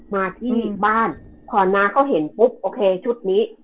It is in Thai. มาที่บ้านพอน้าเขาเห็นปุ๊บโอเคชุดนี้